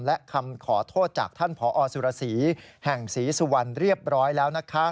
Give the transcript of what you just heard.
และคำขอโทษจากท่านผอสุรสีแห่งศรีสุวรรณเรียบร้อยแล้วนะคะ